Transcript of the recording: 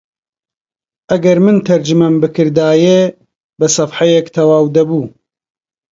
ئەگەر من تەرجەمەم بکردایە بە سەفحەیەک تەواو دەبوو